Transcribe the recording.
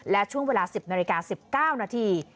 และช่วงเวลา๑๐นาฬิกา๑๙นาที